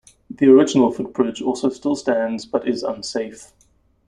The original footbridge also still stands but is unsafe.